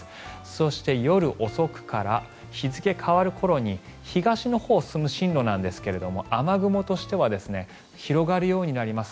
そして夜遅くから日付が変わる頃に東のほうに進む進路なんですが雨雲としては広がるようになります。